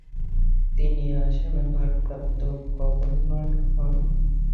তিনি আসামের ভারপ্রাপ্ত গভর্নর হন।